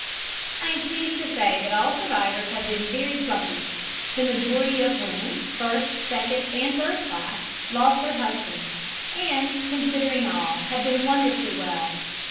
"I am pleased to say that all survivors have been very plucky. The majority of women, first, second and third class, lost their husbands, and, considering all, have been wonderfully well.